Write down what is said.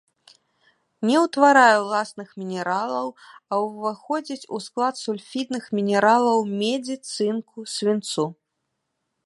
Не ўтварае ўласных мінералаў, а ўваходзіць у склад сульфідных мінералаў медзі, цынку, свінцу.